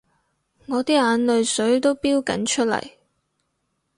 我啲眼淚水都標緊出嚟